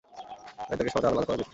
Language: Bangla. তাই তাকে সহজে আলাদা করা যেতো।